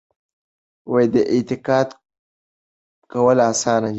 انتقاد کول اسانه دي.